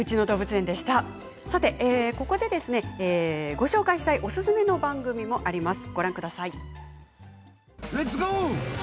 ここでご紹介したいおすすめ番組があります。